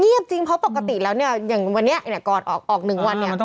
เงียบจริงเพราะปกติแล้วอย่างวันนี้ออกหนึ่งวันเนี่ย